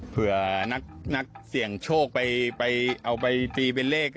เผื่อนักเสี่ยงโชคไปเอาไปตีเป็นเลข